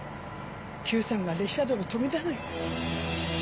久さんが列車を止めたのよ。